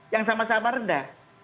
yang sama sama rendah